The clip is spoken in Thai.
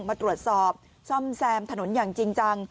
มาตรวจสอบซ่อมแซมถนนอย่างจริงจัง